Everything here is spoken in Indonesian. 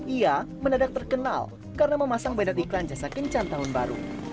ia mendadak terkenal karena memasang bedak iklan jasa kencan tahun baru